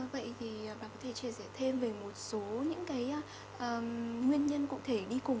vậy thì bà có thể chia sẻ thêm về một số những cái nguyên nhân cụ thể đi cùng